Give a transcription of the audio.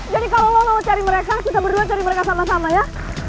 jadi kalo lo mau cari mereka kita berdua cari mereka sama sama ya